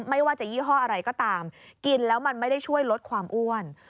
ไม่ว่าจะยี่ห้ออะไรก็ตามกินแล้วมันไม่ได้ช่วยลดความอ้วน